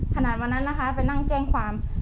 วันนั้นนะคะไปนั่งแจ้งความ